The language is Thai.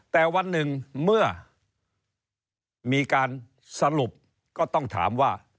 แต่วันหนึ่งเมื่อมีการสรุปก็ต้องถามว่า